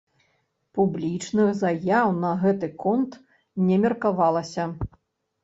Публічных заяў на гэты конт не меркавалася.